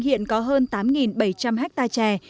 hiện có hơn tám bảy trăm linh hectare trè